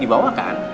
di bawah kan